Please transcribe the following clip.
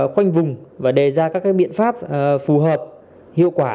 khoanh vùng và đề ra các biện pháp phù hợp hiệu quả